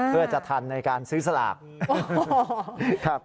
เพื่อจะทันในการซื้อสลาก